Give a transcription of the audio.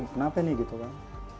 kenapa nih gitu kan